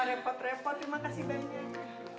repot repot terima kasih banyak